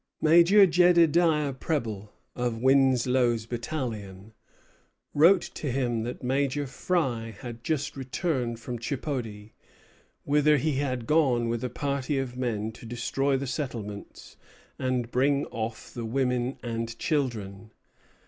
Major Jedediah Preble, of Winslow's battalion, wrote to him that Major Frye had just returned from Chipody, whither he had gone with a party of men to destroy the settlements and bring off the women and children.